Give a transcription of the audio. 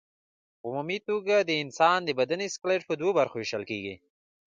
په عمومي توګه د انسان د بدن سکلېټ په دوو برخو ویشل کېږي.